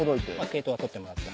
毛糸は取ってもらって。